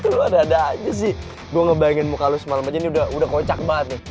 lo ada ada aja sih gue ngebayangin muka lo semalam aja udah kocak banget nih